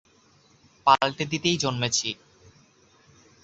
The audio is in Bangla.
পালটে দিতেই জন্মেছি।